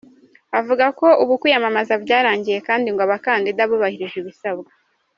Avuga ko ubu kwiyamamaza byarangiye kandi ngo abakandida bubahirije ibisabwa.